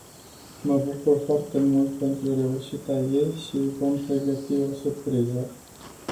Mă bucur foarte mult pentru reușita ei și îi vom pregăti o surpriză.